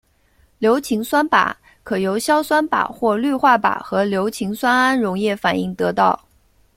硫氰酸钯可由硝酸钯或氯化钯和硫氰酸铵溶液反应得到。